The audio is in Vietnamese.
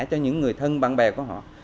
cho những người thân bạn bè của họ